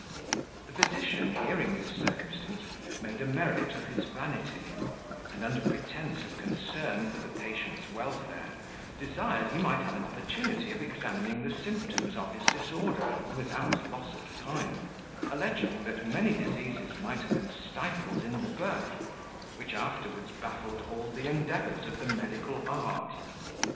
The physician, hearing this circumstance, made a merit of his vanity; and, under pretence of concern for the patient's welfare, desired he might have an opportunity of examining the symptoms of his disorder, without loss of time; alleging that many diseases might have been stifled in the birth, which afterwards baffled all the endeavours of the medical art.